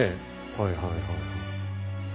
はいはいはいはい。